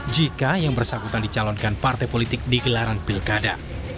jika yang bersangkutan dicalonkan partai politik di gelaran pilkada